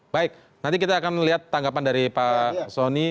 baik nanti kita akan lihat tanggapan dari pak soni